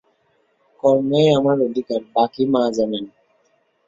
কর্মেই আমার অধিকার, বাকী মা জানেন।